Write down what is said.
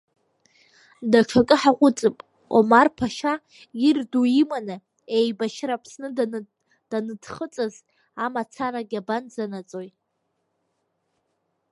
Даҽакы ҳаҟәыҵып, Омар-ԥашьа ир ду иманы еибашьра Аԥсны даныӡхыҵыз амацарагьы абанӡанаӡои!